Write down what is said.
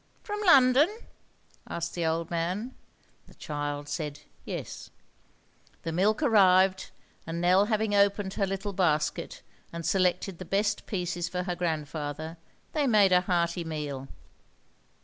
"From London?" asked the old man The child said yes. The milk arrived, and Nell having opened her little basket and selected the best pieces for her grandfather, they made a hearty meal.